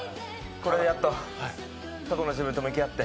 これでやっと過去の自分と向き合って。